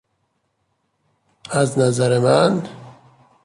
از نظر من